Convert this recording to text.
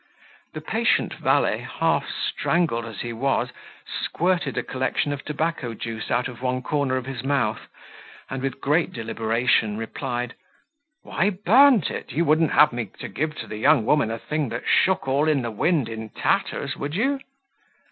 The patient valet, half strangled as he was, squirted a collection of tobacco juice out of one corner of his mouth, and with great deliberation replied, "Why, burnt it, you wouldn't have me to give the young woman a thing that shook all in the wind in tatters, would you?"